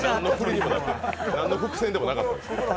何の伏線でもなかったです。